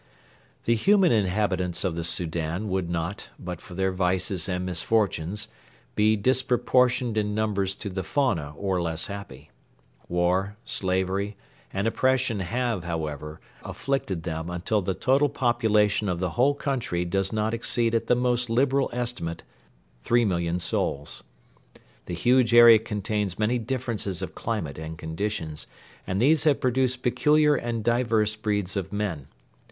The human inhabitants of the Soudan would not, but for their vices and misfortunes, be disproportioned in numbers to the fauna or less happy. War, slavery, and oppression have, however, afflicted them until the total population of the whole country does not exceed at the most liberal estimate three million souls. The huge area contains many differences of climate and conditions, and these have produced peculiar and diverse breeds of men.